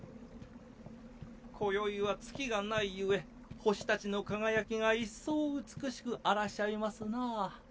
今宵は月がない故星達の輝きが一層美しくあらしゃいますなあ。